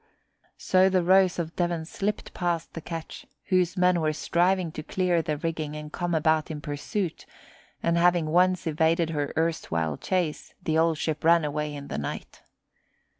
So the Rose of Devon slipped past the ketch, whose men were striving to clear the rigging and come about in pursuit, and having once evaded her erstwhile chase, the old ship ran away in the night.